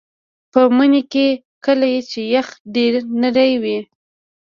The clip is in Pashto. په مني کې کله چې یخ ډیر نری وي